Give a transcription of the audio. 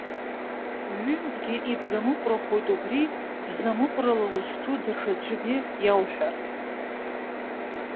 Ҩынтәгьы ибзамыҟәрахоит убри, бзамыҟәрала узҿу даҽаӡәгьы иоуҳәар.